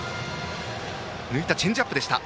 抜いたチェンジアップでした。